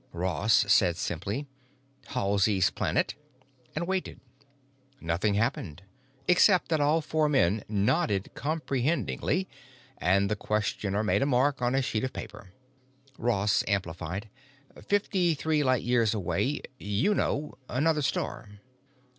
Ross said simply, "Halsey's Planet," and waited. Nothing happened, except that all four men nodded comprehendingly, and the questioner made a mark on a sheet of paper. Ross amplified, "Fifty three light years away. You know—another star."